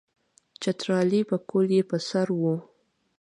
چترالی پکول یې پر سر وو.